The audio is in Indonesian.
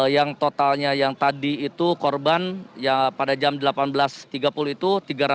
yang totalnya yang tadi itu korban ya pada jam delapan belas tiga puluh itu tiga ratus